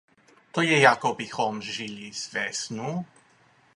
To je jako bychom žili ve snu!